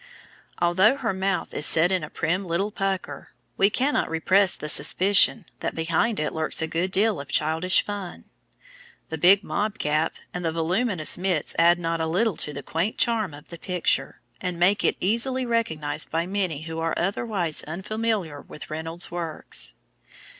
Although her mouth is set in a prim little pucker, we cannot repress the suspicion that behind it lurks a good deal of childish fun. The big mob cap and the voluminous mitts add not a little to the quaint charm of the picture, and make it easily recognized by many who are otherwise unfamiliar with Reynolds's works.